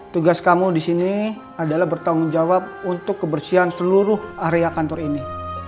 tugas kamu di sini adalah bertanggung jawab untuk kebersihan seluruh area kantor ini